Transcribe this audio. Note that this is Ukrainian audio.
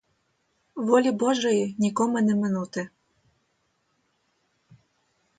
Волі божої нікому не минути.